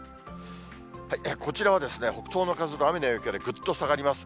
こちらは北東の風と雨の影響でぐっと下がります。